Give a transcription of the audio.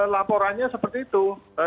laporannya seperti itu